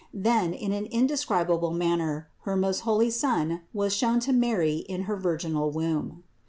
Then, in an inde scribable manner, her most holy Son was shown to Mary in her virginal womb.